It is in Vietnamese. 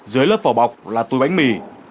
dưới lớp vỏ bọc là túi bánh mì